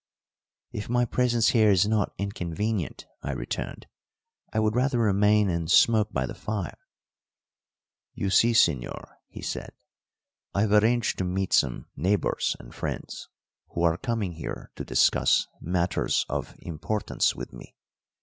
"If my presence here is not inconvenient," I returned, "I would rather remain and smoke by the fire." "You see, señor," he said, "I have arranged to meet some neighbours and friends, who are coming here to discuss matters of importance with me.